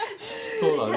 そうだね。